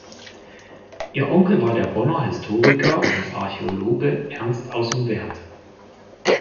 Ihr Onkel war der Bonner Historiker und Archäologe Ernst aus’m Weerth.